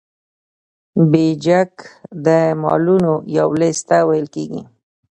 بیجک د مالونو یو لیست ته ویل کیږي.